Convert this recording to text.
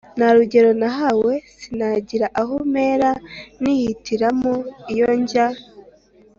Nta rugero nahawe Sinagira aho mpera Nihitiramo iyo njya!